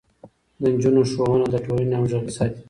د نجونو ښوونه د ټولنې همغږي ساتي.